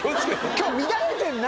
今日乱れてんな。